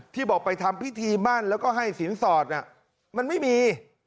ที่บอกไปทำพิธีบ้านแล้วก็ให้ศีลศอดมันไม่มี